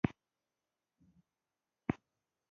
وړل او راوړل په بېلا بېلو لارو چارو سرته رسیږي.